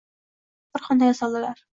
Bir xonaga soldilar.